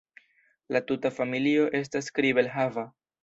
La tuta familio estas kribel-hava.